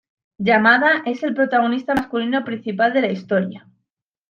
Yamada es el protagonista masculino principal de la historia.